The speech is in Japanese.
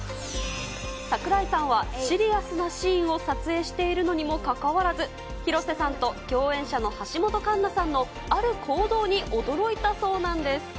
櫻井さんは、シリアスなシーンを撮影しているのにもかかわらず、広瀬さんと共演者の橋本環奈さんのある行動に驚いたそうなんです。